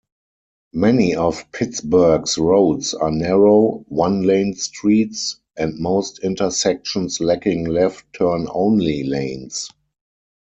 Many of Pittsburgh's roads are narrow, one-lane streets, and most intersections lacking left-turn-only lanes.